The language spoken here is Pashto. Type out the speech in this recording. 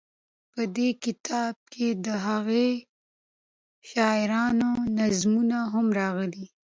په دې کتاب کې دهغه شاعرانو نظمونه هم راغلي.